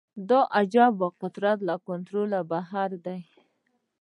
دا عجیبه قدرت له کنټروله یې بهر دی